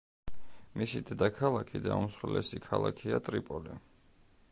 მისი დედაქალაქი და უმსხვილესი ქალაქია ტრიპოლი.